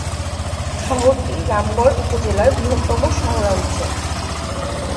শহরটি রামগড় উপজেলার বৃহত্তম শহরাঞ্চল।